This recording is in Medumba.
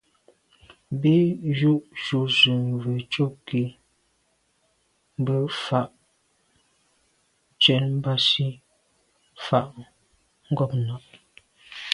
Bí jú’ jú zə̄ mvə̌ cúp gí mbə́ fǎ cwɛ̀d mbásì fàá’ ngômnâ’.